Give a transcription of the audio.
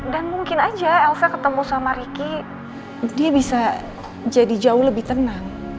dan mungkin aja elsa ketemu sama riki dia bisa jadi jauh lebih tenang